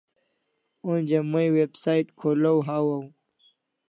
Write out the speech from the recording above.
Onja mai website kholaw hawaw